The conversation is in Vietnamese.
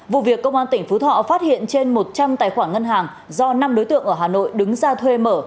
vụ việc công an tỉnh phú thọ phát hiện trên một trăm linh tài khoản ngân hàng do năm đối tượng ở hà nội đứng ra thuê mở